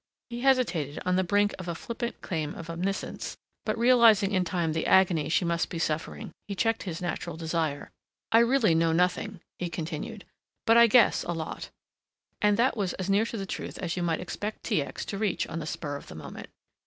He hesitated on the brink of a flippant claim of omniscience, but realizing in time the agony she must be suffering he checked his natural desire. "I really know nothing," he continued, "but I guess a lot," and that was as near to the truth as you might expect T. X. to reach on the spur of the moment.